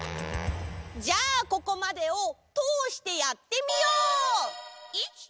じゃあここまでをとおしてやってみよう！